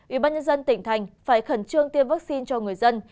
ủy ban nhân dân tỉnh thành phải khẩn trương tiêm vaccine cho người dân